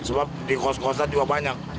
sebab di kos kosan juga banyak